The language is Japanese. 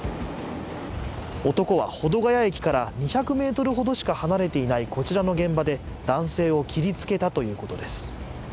男は保土ケ谷駅から２００ｍほどしか離れていないこちらの現場で、男性を切りつけたということです。